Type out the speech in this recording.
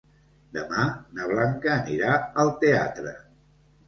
Demà na Blanca anirà al teatre.